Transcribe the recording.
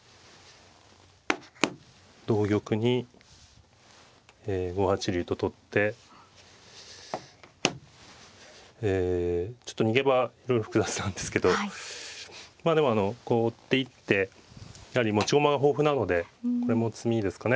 同玉に５八竜と取ってええちょっと逃げ場いろいろ複雑なんですけどまあでもあのこう追っていってやはり持ち駒が豊富なのでこれも詰みですかね